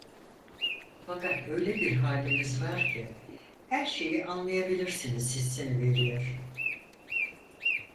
Fakat öyle bir haliniz var ki, her şeyi anlayabilirsiniz hissini veriyor.